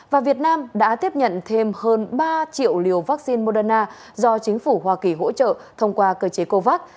và việt nam đã tiếp nhận thêm hơn ba triệu liều vaccine moderna do chính phủ hoa kỳ hỗ trợ thông qua cơ chế covax